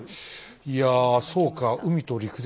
いやそうか海と陸でね。